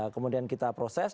kemudian kita proses